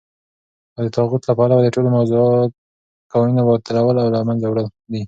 او دطاغوت له پلوه دټولو موضوعه قوانينو باطلول او له منځه وړل دي .